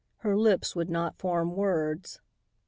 Her lips would not form words.